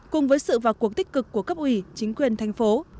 cùng với sự vào cuộc tích cực của cấp ủy chính quyền thành phố